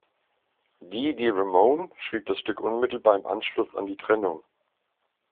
Dee Dee Ramone schrieb das Stück unmittelbar im Anschluss an die Trennung.